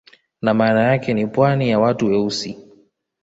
Na maana yake ni pwani ya watu weusi